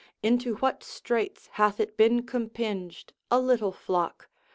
Into what straits hath it been compinged, a little flock!